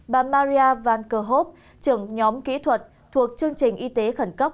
bà maria vankerhov trưởng nhóm kỹ thuật thuộc chương trình y tế khẩn cấp